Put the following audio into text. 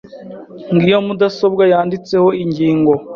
Ngiyo mudasobwa yanditseho ingingo.